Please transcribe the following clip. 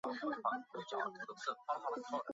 首府位于白山市。